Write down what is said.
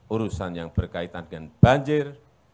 urusan yang berkaitan dengan banjir